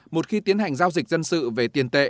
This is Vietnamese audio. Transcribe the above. một khi tiến hành giao dịch dân sự về tiền tệ